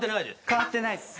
変わってないっす。